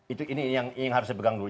itu ini yang harus dipegang dulu